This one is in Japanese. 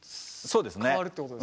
そうですね。